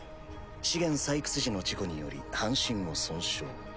資源採掘時の事故により半身を損傷。